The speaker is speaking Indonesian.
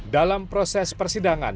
dalam proses persidangan